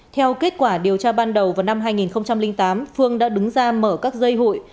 theo kết quả điều tra ban đầu vào năm hai nghìn tám phương đã đứng ra mở các dây hụi